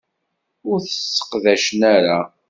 Ur tt-sseqdacen ara.